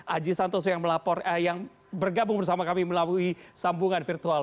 aji santoso yang bergabung bersama kami melalui sambungan virtual